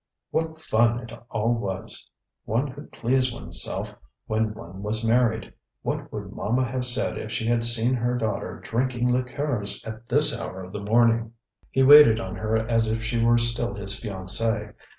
What fun it all was! One could please oneself when one was married. What would Mama have said if she had seen her daughter drinking liqueurs at this hour of the morning! He waited on her as if she were still his fiancee.